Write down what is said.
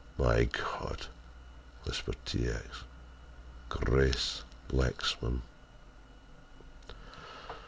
"My God!" whispered T. X. "Grace Lexman!"